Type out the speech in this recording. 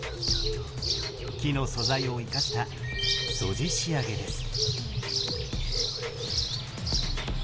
木の素材を生かした「素地仕上げ」です。